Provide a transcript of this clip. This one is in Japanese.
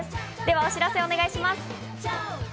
お知らせ、お願いします。